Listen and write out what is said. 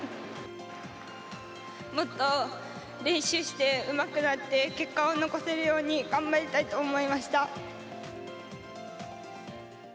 もっと練習してうまくなって、結果を残せるように頑張りたいと思いました。